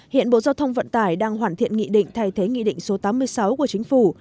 hiện bộ giao thông vận tải đang hoàn thiện nghị định thay thế nghị định số tám mươi sáu của chính phủ